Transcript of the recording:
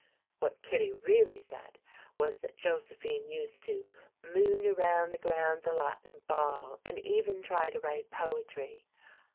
What Kittie really said was that Josephine used to "moon around the grounds a lot and bawl, and even try to write poetry."